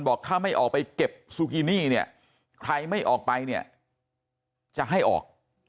บอกถ้าไม่ออกไปเก็บซูกินี่เนี่ยใครไม่ออกไปเนี่ยจะให้ออก